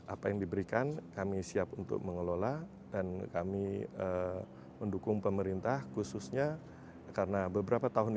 apa yang diberikan kami siap untuk mengelola dan kami mendukung pemerintah khususnya karena beberapa tahun ini